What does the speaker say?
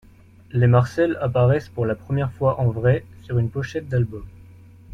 Les Marcel apparaissent pour la première fois en vrai sur une pochette d’album.